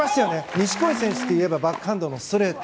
錦織選手と言えばバックハンドのストレート。